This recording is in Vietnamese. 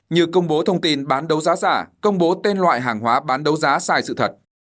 như công bố thông tin bán đấu giá giả công bố tên loại hàng hóa bán đấu giá sai sự thật